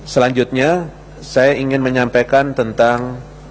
selanjutnya saya ingin menyampaikan tentang